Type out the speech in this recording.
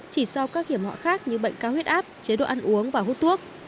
chỉ so với các hiểm họa khác như bệnh cao huyết áp chế độ ăn uống và hút thuốc